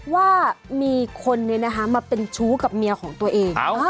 ว่ามีคนมาเป็นชู้กับเมียของตัวเอง